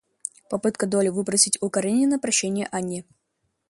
Попытка Долли выпросить у Каренина прощение Анне.